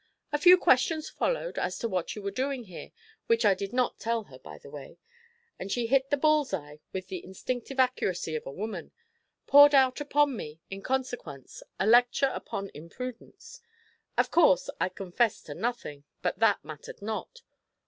A few questions followed, as to what you were doing here, which I did not tell her, by the way, and she hit the bull's eye with the instinctive accuracy of a woman; poured out upon me in consequence a lecture upon imprudence. Of course I confessed to nothing, but that mattered not.